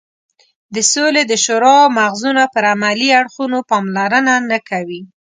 د سولې د شورا مغزونه پر عملي اړخونو پاملرنه نه کوي.